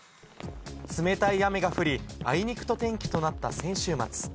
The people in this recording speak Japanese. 冷たい雨が降り、あいにくの天気となった先週末。